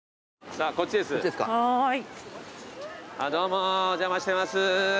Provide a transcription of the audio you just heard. あっどうもお邪魔してます。